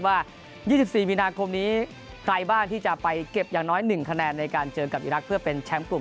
ว่า๒๔มีนาคมนี้ใครบ้างที่จะไปเก็บอย่างน้อย๑คะแนนในการเจอกับอีรักษ์เพื่อเป็นแชมป์กลุ่ม